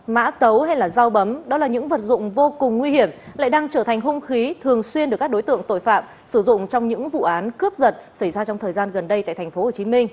mã tấu hay là dao bấm đó là những vật dụng vô cùng nguy hiểm lại đang trở thành hung khí thường xuyên được các đối tượng tội phạm sử dụng trong những vụ án cướp giật xảy ra trong thời gian gần đây tại tp hcm